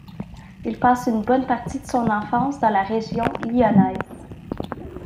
Il passe une bonne partie de son enfance dans la région Lyonnaise.